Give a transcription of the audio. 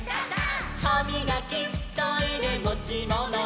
「はみがきトイレもちもの」「」